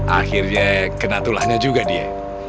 akhirnya kena tulahnya juga dia